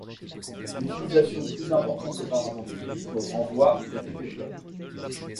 L'utilisation plus importante qu'auparavant des cuivres renvoie un côté péplum.